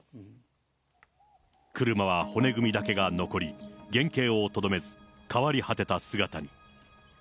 車は骨組みだけが残り、原形をとどめず、変わり果てた姿に。